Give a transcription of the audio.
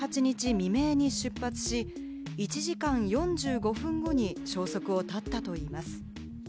未明に出発し、１時間４５分後に消息を絶ったといいます。